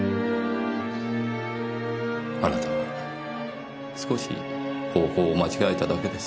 あなたは少し方法を間違えただけです。